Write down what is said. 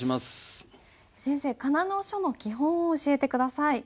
先生仮名の書の基本を教えて下さい。